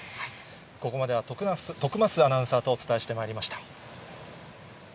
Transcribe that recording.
ここまでは徳増アナウンサーとお伝えしてまいりました。